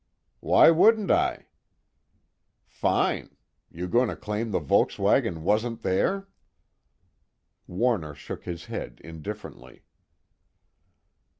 "Why wouldn't I?" "Fine! You going to claim the Volkswagen wasn't there?" Warner shook his head indifferently.